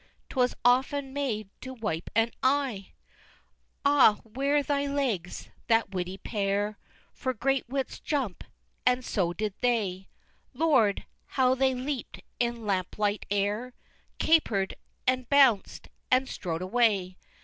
'Twas often made to wipe an eye! XI. Ah, where thy legs that witty pair! For "great wits jump" and so did they! Lord! how they leap'd in lamplight air! Caper'd and bounc'd and strode away!